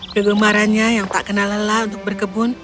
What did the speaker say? kegemarannya yang tak kenal lelah untuk berkebun